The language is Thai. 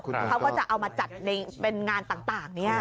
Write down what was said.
เขาก็จะเอามาจัดในเป็นงานต่าง